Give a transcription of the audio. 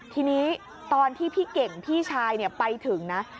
ทีนี้ตอนที่พี่เก่งพี่ชายไปถึงนะ